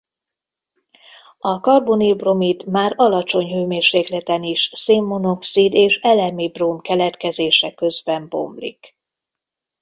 A karbonil-bromid már alacsony hőmérsékleten is szén-monoxid és elemi bróm keletkezése közben bomlik.